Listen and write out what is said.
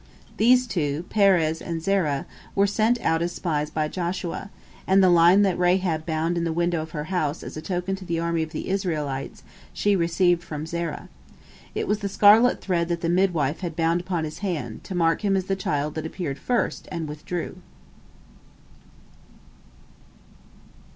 These two, Perez and Zerah. were sent out as spies by Joshua, and the line that Rahab bound in the window of her house as a token to the army of the Israelites, she received from Zerah. It was the scarlet thread that the midwife had bound upon his hand, to mark him as the child that appeared first and withdrew.